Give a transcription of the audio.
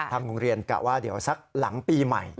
โรงเรียนกะว่าเดี๋ยวสักหลังปีใหม่